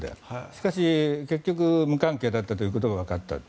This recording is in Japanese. しかし、結局無関係だったということがわかった。